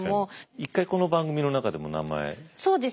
一回この番組の中でも名前登場したね。